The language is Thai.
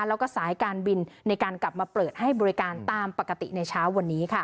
แล้วก็สายการบินในการกลับมาเปิดให้บริการตามปกติในเช้าวันนี้